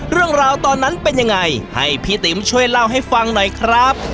เรื่องราวตอนนั้นเป็นยังไงให้พี่ติ๋มช่วยเล่าให้ฟังหน่อยครับ